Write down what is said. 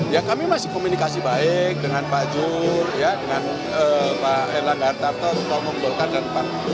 ya kami masih komunikasi baik dengan pak juh dengan pak erlang gartarto pak omong dolkan dan pak juh